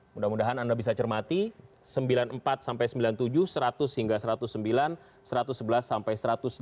mudah mudahan anda bisa cermati sembilan puluh empat sampai sembilan puluh tujuh seratus hingga satu ratus sembilan satu ratus sebelas sampai satu ratus enam puluh